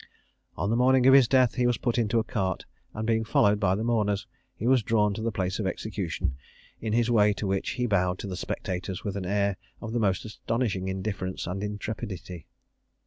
On the morning of his death he was put into a cart, and being followed by his mourners, he was drawn to the place of execution; in his way to which he bowed to the spectators with an air of the most astonishing indifference and intrepidity.